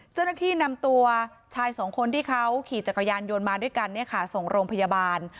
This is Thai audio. เจ้าหน้าที่นำตัวชายสองคนที่เขาขี่จักรยานยนต์มาด้วยกันส่งโรงพยาบาล